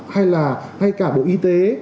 hay là hay cả bộ y tế